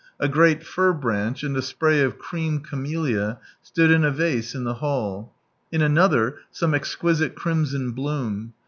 A great fir branch and a spray of cream camellia, stood in a vase in the hall ; in another some exquisite crimson bloom.